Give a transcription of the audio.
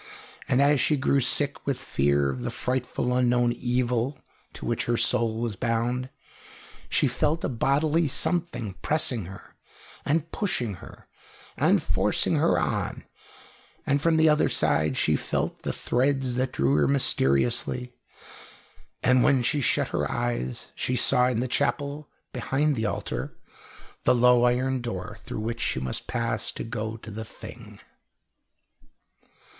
And as she grew sick with fear of the frightful unknown evil to which her soul was bound, she felt a bodily something pressing her, and pushing her, and forcing her on, and from the other side she felt the threads that drew her mysteriously: and when she shut her eyes, she saw in the chapel behind the altar, the low iron door through which she must pass to go to the thing.